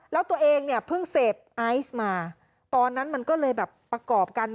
แล้วตัวเองเนี่ยเพิ่งเสพไอซ์มาตอนนั้นมันก็เลยแบบประกอบกัน